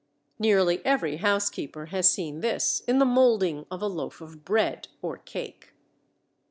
Nearly every housekeeper has seen this in the molding of a loaf of bread or cake.